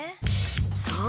そう！